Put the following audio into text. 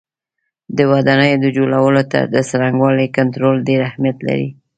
د ودانیو د جوړولو د څرنګوالي کنټرول ډېر اهمیت لري.